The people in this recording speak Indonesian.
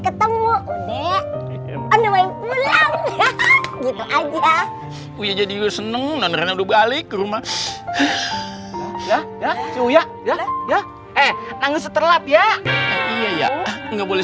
ketemu udah on the way pulang gitu aja jadi seneng udah balik rumah ya ya ya ya ya ya ya nggak boleh